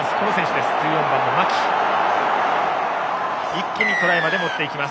１４番の槇が一気にトライまで持っていきます。